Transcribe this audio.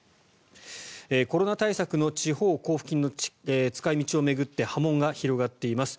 コロナ対策の地方交付金の使い道を巡って波紋が広がっています。